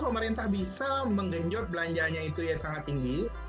pemerintah bisa menggenjot belanjanya itu yang sangat tinggi